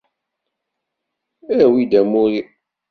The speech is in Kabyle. Awi-d amur-iw!